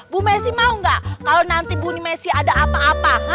bu messi mau nggak kalau nanti buni messi ada apa apa